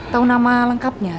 tahu nama lengkapnya